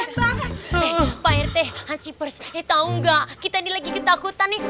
eh pak rt hansipers eh tau gak kita ini lagi ketakutan nih